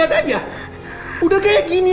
udah kayaknya aku udah kembali ke rumah ya kang